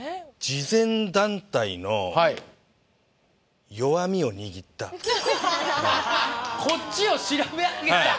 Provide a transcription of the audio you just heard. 慈善団体のはい弱みを握ったこっちを調べ上げた